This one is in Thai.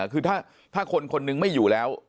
คือถ้าคนคนนึงไม่อยู่แล้ว